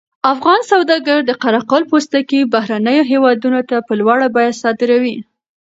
افغان سوداګر د قره قل پوستکي بهرنیو هېوادونو ته په لوړه بیه صادروي.